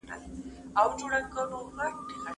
که پاملرنه ونه شي، ماشوم شاته پاتې کېږي.